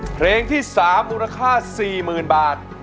เพลงที่๓มูลค่า๔๐๐๐บาท